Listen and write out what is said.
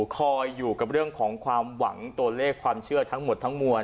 คอยอยู่กับเรื่องของความหวังตัวเลขความเชื่อทั้งหมดทั้งมวล